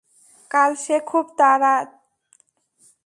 কাল সে খুব তাড়ি খাইয়াছিল।